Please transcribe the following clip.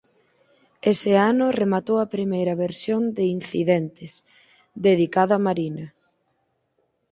Ese ano rematou a primeira versión de Incidentes, dedicado a Marina.